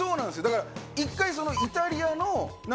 だから一回。